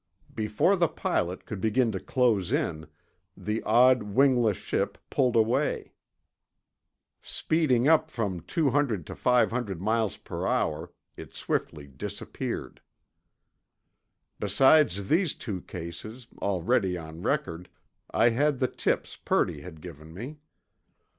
Before the pilot could begin to close in, the odd wingless ship pulled away. Speeding up from 200 to 500 m.p.h., it swiftly disappeared. Besides these two cases, already on record, I had the tips Purdy had given me.